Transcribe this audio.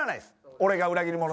俺が裏切り者なら。